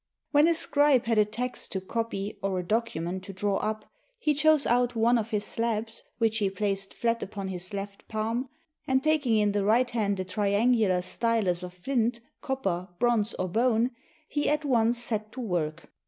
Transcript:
When a scribe had a text to copy or a document 468 HOW THE CHALD.EANS WROTE BOOKS to draw up, he chose out one of his slabs, which he placed flat upon his left palm, and taking in the right hand a triangular stylus of flint, copper, bronze, or bone, he at once set to work.